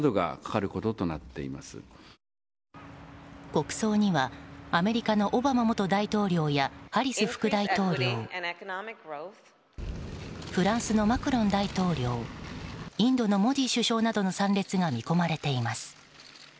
国葬には、アメリカのオバマ元大統領やハリス副大統領フランスのマクロン大統領インドのモディ首相などの参列が見込まれています。